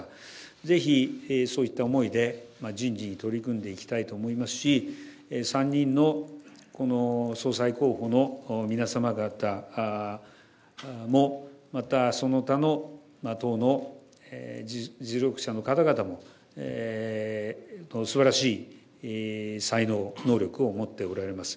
ぜひ、そういった思いで人事に取り組んでいきたいと思いますし、３人のこの総裁候補の皆様方もまた、その他の党の実力者の方々も、すばらしい才能、能力を持っておられます。